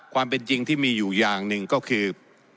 ความเป็นจริงที่มีอยู่อย่างหนึ่งก็คือ